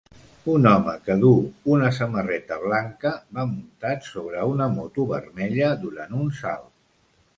Un home que duu una samarreta blanca va muntat sobre una moto vermella durant un salt.